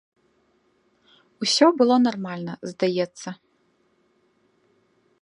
Усё было нармальна, здаецца.